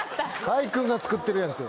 開君が作ってるやんけ。